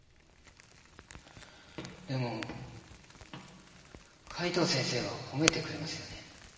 でも海東先生は褒めてくれますよね？